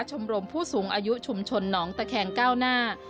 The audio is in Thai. ชมรมผู้สูงอายุชุมชนหนองตะแคงก้าวหน้า